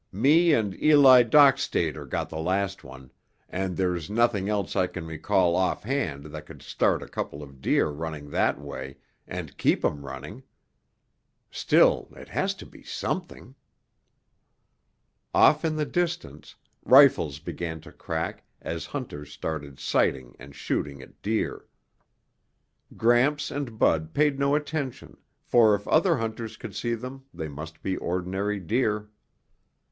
Me and Eli Dockstader got the last one, and there's nothing else I can recall offhand that could start a couple of deer running that way and keep 'em running. Still, it has to be something." Off in the distance, rifles began to crack as hunters started sighting and shooting at deer. Gramps and Bud paid no attention, for if other hunters could see them, they must be ordinary deer.